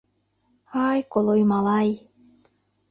Ай, колой-малай.